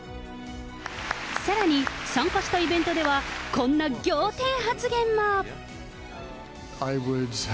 さらに、参加したイベントでは、こんな仰天発言も。